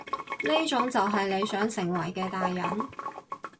呢種就係你想成為嘅大人？